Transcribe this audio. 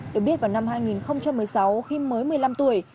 được biết vào năm hai nghìn một mươi sáu khi mới một mươi năm tuổi